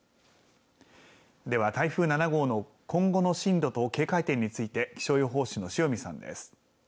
では台風７号の今後の進路と警戒点について気象予報士の塩見さんです。